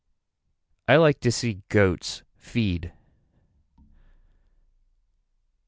I like to see goats feed.